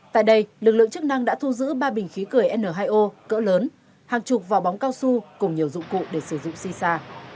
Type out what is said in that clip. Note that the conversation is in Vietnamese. tại đây lực lượng chức năng đã thu giữ ba bình khí cười n hai o cỡ lớn hàng chục vỏ bóng cao su cùng nhiều dụng cụ để sử dụng si sa